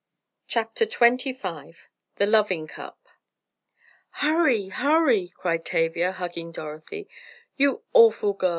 CHAPTER XXV THE LOVING CUP "Hurry, hurry!" cried Tavia, hugging Dorothy. "You awful girl!